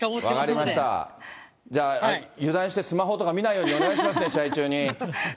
分かりました、じゃあ、油断してスマホとか見ないようにお願いしますね、試合中に。